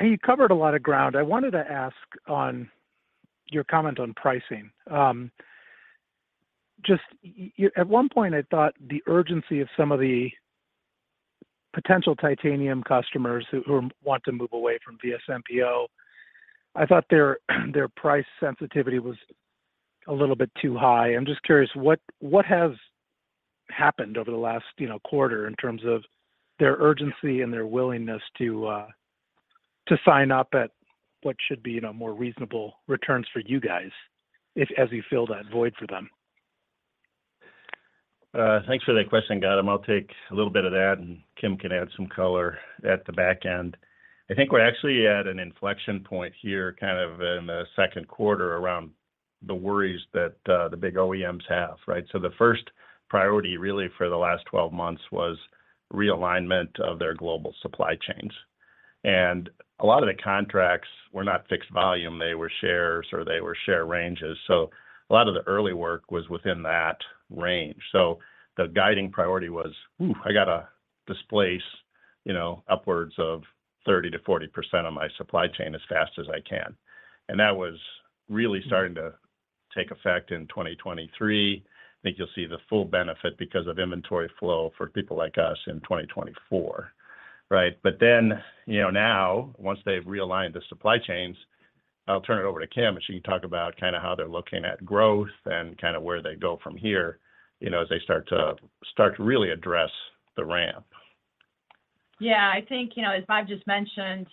You covered a lot of ground. I wanted to ask on your comment on pricing. Just at one point, I thought the urgency of some of the potential titanium customers who want to move away from VSMPO, I thought their price sensitivity was a little bit too high. I'm just curious, what has happened over the last, you know, quarter in terms of their urgency and their willingness to sign up at what should be, you know, more reasonable returns for you guys as you fill that void for them? Thanks for that question, Gautam. I'll take a little bit of that, and Kim can add some color at the back end. I think we're actually at an inflection point here, kind of in the second quarter around the worries that the big OEMs have, right? The first priority really for the last 12 months was realignment of their global supply chains. A lot of the contracts were not fixed volume, they were shares or they were share ranges. A lot of the early work was within that range. The guiding priority was, "I got to displace, you know, upwards of 30%-40% of my supply chain as fast as I can." That was really starting to take effect in 2023. I think you'll see the full benefit because of inventory flow for people like us in 2024, right? You know, now, once they've realigned the supply chains, I'll turn it over to Kim, and she can talk about kind of how they're looking at growth and kind of where they go from here, you know, as they start to really address the ramp. Yeah, I think, you know, as Bob just mentioned,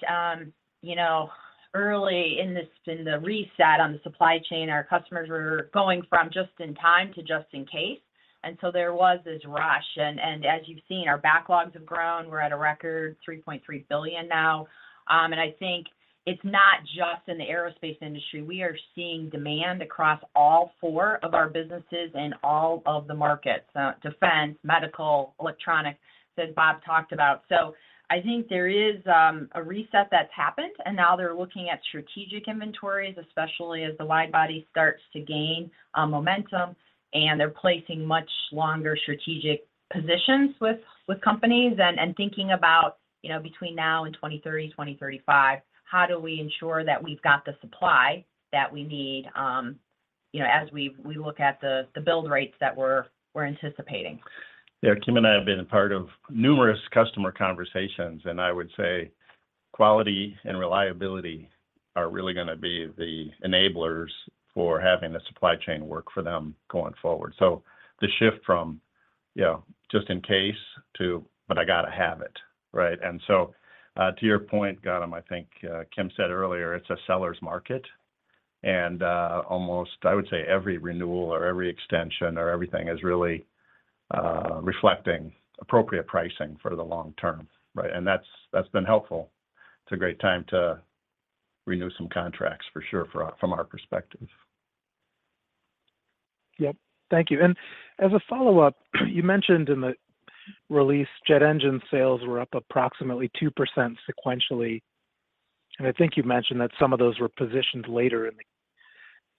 you know, early in this, in the reset on the supply chain, our customers were going from just in time to just in case. There was this rush. As you've seen, our backlogs have grown. We're at a record $3.3 billion now. I think it's not just in the aerospace industry. We are seeing demand across all four of our businesses in all of the markets, defense, medical, electronic, as Bob talked about. I think there is a reset that's happened. Now they're looking at strategic inventories, especially as the wide body starts to gain momentum. They're placing much longer strategic positions with companies. Thinking about, you know, between now and 2030, 2035, how do we ensure that we've got the supply that we need, you know, as we look at the build rates that we're anticipating. Yeah. Kim and I have been a part of numerous customer conversations. I would say quality and reliability are really going to be the enablers for having the supply chain work for them going forward. The shift from, you know, just in case to, I got to have it, right? To your point, Gautam, I think Kim said earlier, it's a seller's market. Almost, I would say every renewal or every extension or everything is really reflecting appropriate pricing for the long term, right? That's, that's been helpful. It's a great time to renew some contracts for sure from our perspective. Thank you. As a follow-up, you mentioned in the release, jet engine sales were up approximately 2% sequentially. I think you mentioned that some of those were positioned later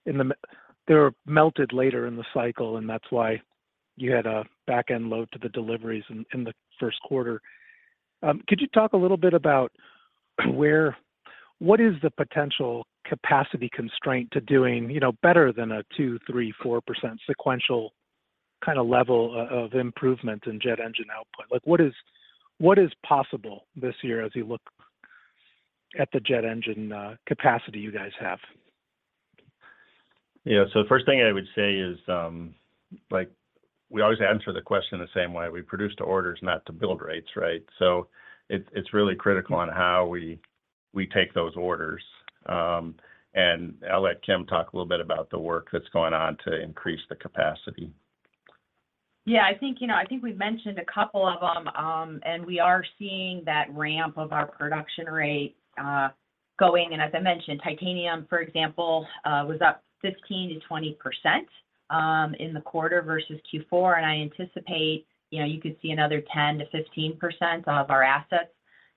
they were melted later in the cycle, and that's why you had a back-end load to the deliveries in the first quarter. Could you talk a little bit about what is the potential capacity constraint to doing, you know, better than a 2%, 3%, 4% sequential kind of level of improvement in jet engine output? Like, what is, what is possible this year as you look at the jet engine capacity you guys have? Yeah. The first thing I would say is, like, we always answer the question the same way. We produce to orders not to build rates, right? It, it's really critical on how we take those orders. I'll let Kim talk a little bit about the work that's going on to increase the capacity. Yeah. I think, you know, I think we've mentioned a couple of them, and we are seeing that ramp of our production rate going. As I mentioned, titanium, for example, was up 15% to 20% in the quarter versus Q4. I anticipate, you know, you could see another 10% to 15% of our assets.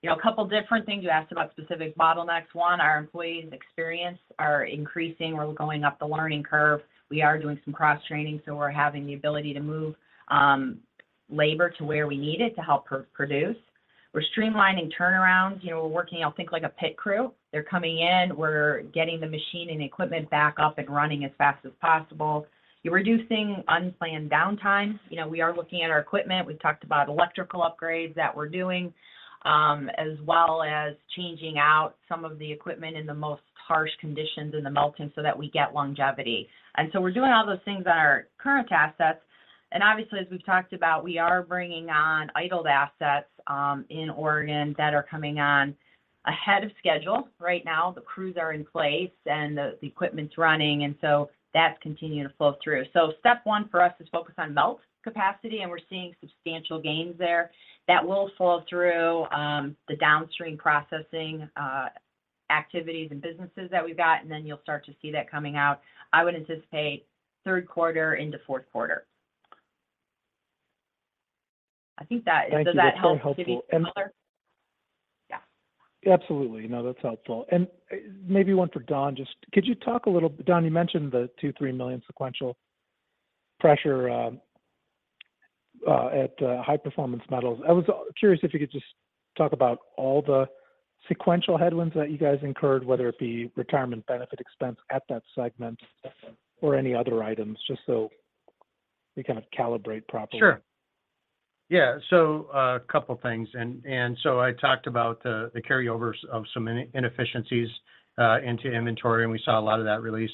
You know, a couple different things. You asked about specific bottlenecks. One, our employees' experience are increasing. We're going up the learning curve. We are doing some cross-training, so we're having the ability to move labor to where we need it to help produce. We're streamlining turnarounds. You know, we're working, I think, like a pit crew. They're coming in, we're getting the machine and equipment back up and running as fast as possible. You're reducing unplanned downtime. You know, we are looking at our equipment. We've talked about electrical upgrades that we're doing, as well as changing out some of the equipment in the most harsh conditions in the melting so that we get longevity. We're doing all those things on our current assets. Obviously, as we've talked about, we are bringing on idled assets, in Oregon that are coming on ahead of schedule. Right now, the crews are in place and the equipment's running, and so that's continuing to flow through. Step one for us is focus on melt capacity, and we're seeing substantial gains there. That will flow through, the downstream processing. Activities and businesses that we've got, then you'll start to see that coming out. I would anticipate third quarter into fourth quarter. I think. Thank you. That's very helpful. Does that help give you some color? Yeah. Absolutely. No, that's helpful. Maybe one for Don, you mentioned the $2 million-$3 million sequential pressure at High Performance Metals. I was curious if you could just talk about all the sequential headwinds that you guys incurred, whether it be retirement benefit expense at that segment or any other items, just so we kind of calibrate properly. Sure. A couple things. I talked about the carryovers of some in-inefficiencies into inventory, and we saw a lot of that release.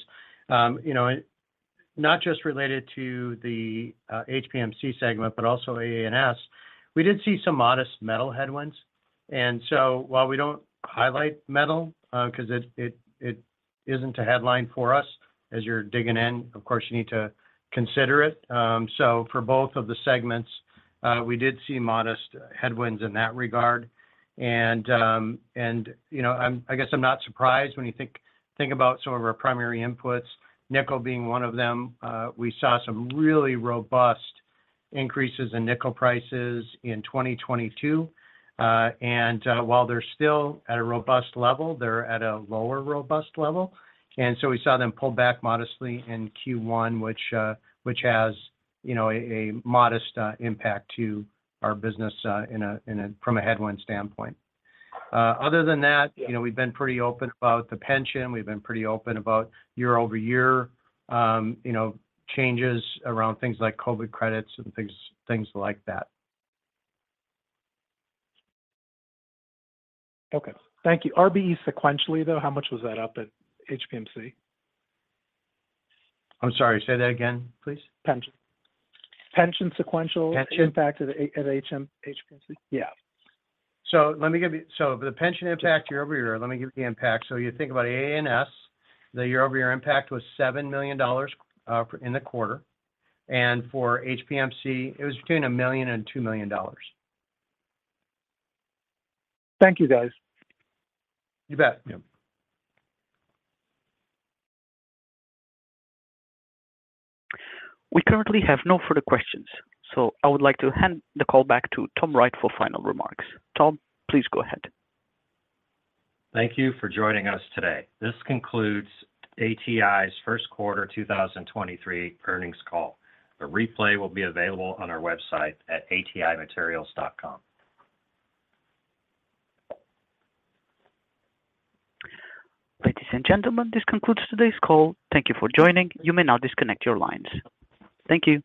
You know, and not just related to the HPMC segment, but also AAS. We did see some modest metal headwinds. While we don't highlight metal, 'cause it, it isn't a headline for us, as you're digging in, of course you need to consider it. So for both of the segments, we did see modest headwinds in that regard. You know, I guess I'm not surprised when you think about some of our primary inputs, nickel being one of them. We saw some really robust increases in nickel prices in 2022. While they're still at a robust level, they're at a lower robust level. We saw them pull back modestly in Q1, which has, you know, a modest impact to our business from a headwind standpoint. Other than that, you know, we've been pretty open about the pension. We've been pretty open about year-over-year, you know, changes around things like COVID credits and things like that. Okay. Thank you. RBE sequentially, though, how much was that up at HPMC? I'm sorry. Say that again, please. Pension. sequential- Pension. impact at HPMC. Yeah. Let me give you... The pension impact year-over-year, let me give the impact. You think about AAS, the year-over-year impact was $7 million in the quarter. For HPMC, it was between $1 million and $2 million. Thank you, guys. You bet. Yeah. We currently have no further questions, so I would like to hand the call back to Tom Wright for final remarks. Tom, please go ahead. Thank you for joining us today. This concludes ATI's first quarter 2023 earnings call. The replay will be available on our website at atimaterials.com. Ladies and gentlemen, this concludes today's call. Thank you for joining. You may now disconnect your lines. Thank you.